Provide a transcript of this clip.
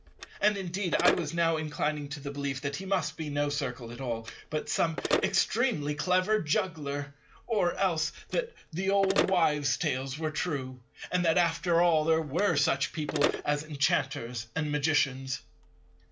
And indeed I was now inclining to the belief that he must be no Circle at all, but some extremely clever juggler; or else that the old wives' tales were true, and that after all there were such people as Enchanters and Magicians.